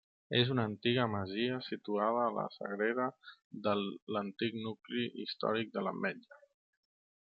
És una antiga masia situada a la sagrera de l'antic nucli històric de l'Ametlla.